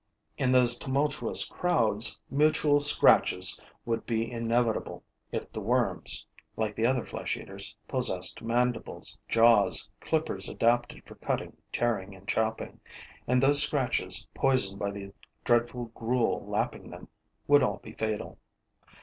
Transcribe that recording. In those tumultuous crowds, mutual scratches would be inevitable if the worms, like the other flesh eaters, possessed mandibles, jaws, clippers adapted for cutting, tearing and chopping; and those scratches, poisoned by the dreadful gruel lapping them, would all be fatal.